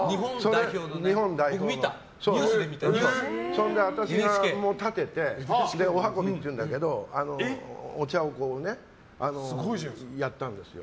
それで、私がたててお運びっていうんだけどお茶をやったんですよ。